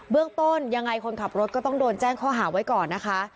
เรื่องต้นยังไงคนขับรถก็ต้องโดนแจ้งข้อหาไว้ก่อนนะคะ